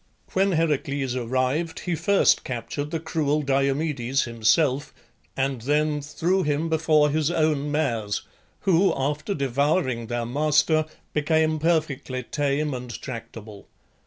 When Heracles arrived he first captured the cruel Diomedes himself, and then threw him before his own mares, who, after devouring their master, became perfectly tame and tractable.